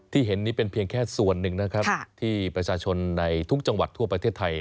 เห็นนี่เป็นเพียงแค่ส่วนหนึ่งนะครับที่ประชาชนในทุกจังหวัดทั่วประเทศไทย